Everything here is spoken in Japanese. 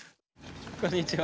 こんにちは。